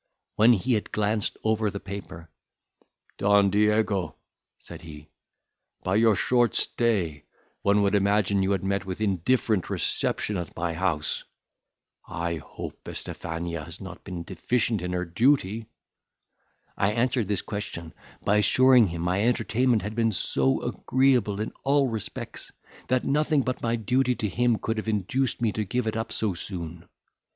When he had glanced over the paper, "Don Diego," said he, "by your short stay one would imagine you had met with indifferent reception at my house. I hope Estifania has not been deficient in her duty?" I answered this question, by assuring him my entertainment had been so agreeable in all respects, that nothing but my duty to him could have induced me to give it up so soon.